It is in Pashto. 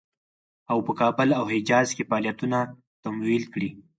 او په کابل او حجاز کې فعالیتونه تمویل کړي.